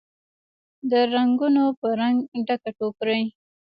د رنګونوپه رنګ، ډکه ټوکرۍ